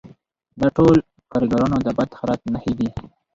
دا ټول د کارګرانو د بد حالت نښې دي